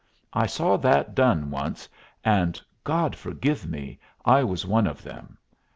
I saw that done once, and God forgive me! I was one of them.